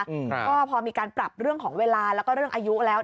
อืมครับก็พอมีการปรับเรื่องของเวลาแล้วก็เรื่องอายุแล้ว